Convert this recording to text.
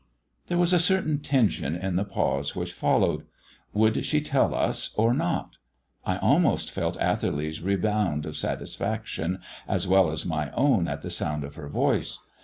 There was a certain tension in the pause which followed. Would she tell us or not? I almost felt Atherley's rebound of satisfaction as well as my own at the sound of her voice.